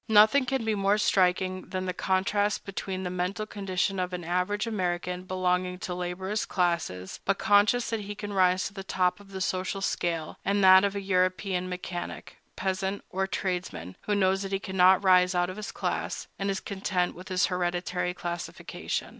Nothing can be more striking than the contrast between the mental condition of an average American belonging to the laborious classes, but conscious that he can rise to the top of the social scale, and that of a European mechanic, peasant, or tradesman, who knows that he cannot rise out of his class, and is content with his hereditary classification.